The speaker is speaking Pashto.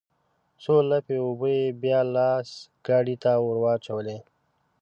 څو لپې اوبه يې بيا لاس ګاډي ته ورواچولې.